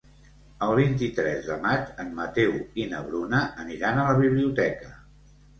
El vint-i-tres de maig en Mateu i na Bruna aniran a la biblioteca.